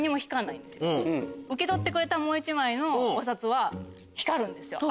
受け取ってくれたもう一枚のお札は光るんですよ。